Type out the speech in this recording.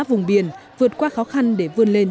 vùng biển vượt qua khó khăn để vươn lên